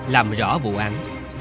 làm rõ vụ án